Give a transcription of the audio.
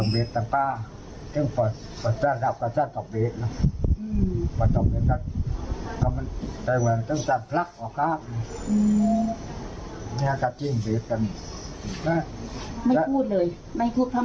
ไม่พูดเลยไม่พูดทำเทียม